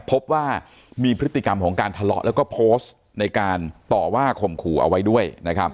พบว่ามีพฤติกรรมทะเลอะแล้วก็โพสต์ในการต่อว่าคมขู่เอาไว้ด้วย